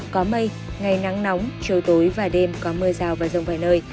có mây ngày nắng nóng chiều tối và đêm có mưa rào và rông vài nơi